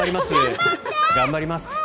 頑張ります。